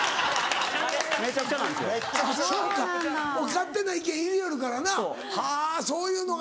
勝手な意見入れよるからなはぁそういうのが。